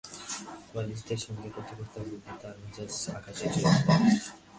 কোয়ালিস্টদের সঙ্গে কথাবার্তা বললেই তাঁর মেজাজ আকাশে চড়ে যায়।